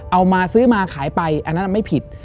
เอามาซื้อมาขายไปอันนั้นไม่ผิด